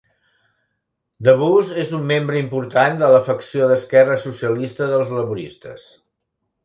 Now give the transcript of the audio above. Debus és un membre important de la facció d"esquerra socialista dels laboristes.